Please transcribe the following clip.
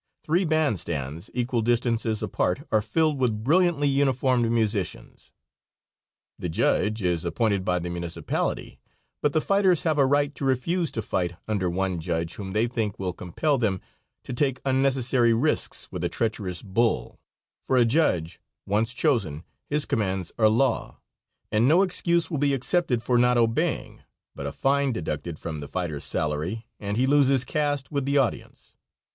Three band stands, equal distances apart, are filled with brilliantly uniformed musicians. The judge is appointed by the municipality, but the fighters have a right to refuse to fight under one judge whom they think will compel them to take unnecessary risks with a treacherous bull, for a judge once chosen his commands are law, and no excuse will be accepted for not obeying, but a fine deducted from the fighter's salary, and he loses cast with the audience.